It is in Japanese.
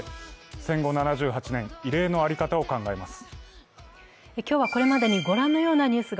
戦後７８年、慰霊のあり方を考えます。